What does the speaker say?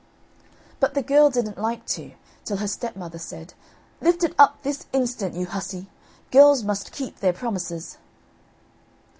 But the girl didn't like to, till her stepmother said "Lift it up this instant, you hussy! Girls must keep their promises!"